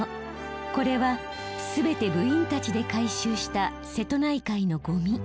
これはすべて部員たちで回収した瀬戸内海のゴミ。